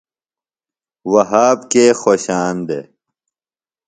وھاب کے خوشان دےۡ؟